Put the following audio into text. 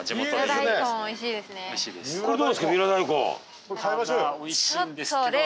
おいしいんですけど。